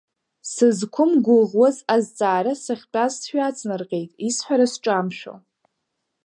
Сызқәымгәыӷуаз азҵаара сахьтәаз сҩаҵнарҟьеит, исҳәара сҿамшәо.